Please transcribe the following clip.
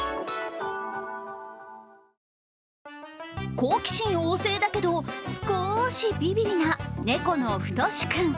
好奇心旺盛だけど、少しビビりな猫のふとし君。